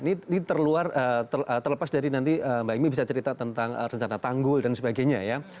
ini terlepas dari nanti mbak imi bisa cerita tentang rencana tanggul dan sebagainya ya